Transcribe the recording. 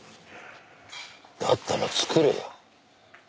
だったら作れよ。